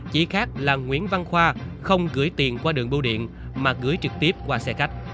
chỉ khác là nguyễn văn khoa không gửi tiền qua đường bưu điện mà gửi trực tiếp qua xe khách